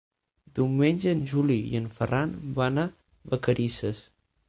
Diumenge en Juli i en Ferran van a Vacarisses.